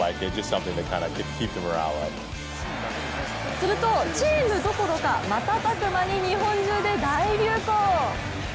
すると、チームどころか瞬く間に日本中で大流行。